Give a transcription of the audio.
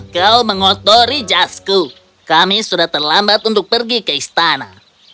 kau mengotori jasku kami sudah terlambat untuk pergi ke istana